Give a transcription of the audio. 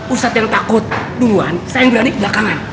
ustadz yang takut duluan saya yang berani belakangan